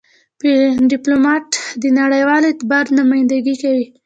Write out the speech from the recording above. ډيپلومات د نړېوال اعتبار نمایندګي کوي.